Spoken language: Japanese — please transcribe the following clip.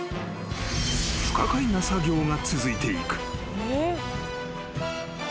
［不可解な作業が続いていく］